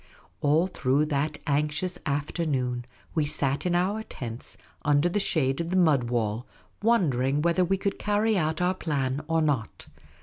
All through that anxious afternoon we sat in our tents, under the shade of the mud wall, wondering whether we could carry out our plan or not.